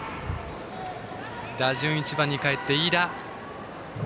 打順は１番にかえって飯田。